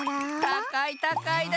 たかいたかいだ！